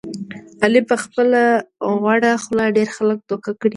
علي په خپله غوړه خوله ډېر خلک دوکه کړي دي.